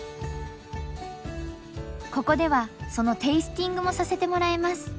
ここではそのテイスティングもさせてもらえます。